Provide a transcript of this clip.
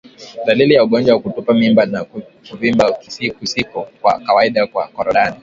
Dalili ya ugonjwa wa kutupa mimba ni kuvimba kusiko kwa kawaida kwa korodani